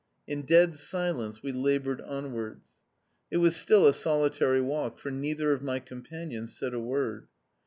In dead silence we laboured onwards. It was still a solitary walk, for neither of my companions said a word.